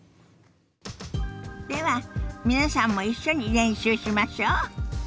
では皆さんも一緒に練習しましょ。